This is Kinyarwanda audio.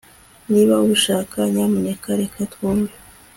Niba ubishaka nyamuneka reka twumve